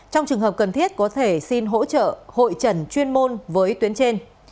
trong trường hợp cần thiết có thể xin hỗ trợ hội trần chuyên môn với tuyến trên